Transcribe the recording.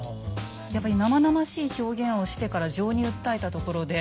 やっぱり生々しい表現をしてから情に訴えたところで。